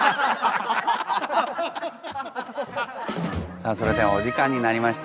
さあそれではお時間になりました。